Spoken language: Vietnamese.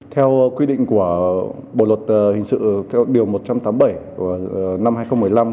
theo quy định của bộ luật hình sự theo điều một trăm tám mươi bảy năm hai nghìn một mươi năm